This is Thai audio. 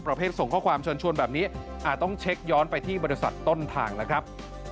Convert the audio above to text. ประเภทส่งข้อความชวนแบบนี้อาจต้องเช็คย้อนไปที่บริษัทต้นทางแล้วครับ